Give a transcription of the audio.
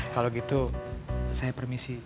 kalau gitu saya permisi